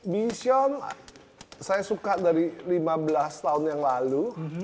mission saya suka dari lima belas tahun yang lalu